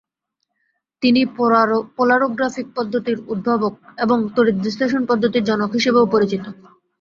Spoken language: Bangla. তিনি পোলারোগ্রাফিক পদ্ধতির উদ্ভাবক এবং তড়িৎবিশ্লেষণ পদ্ধতির জনক হিসেবেও পরিচিত।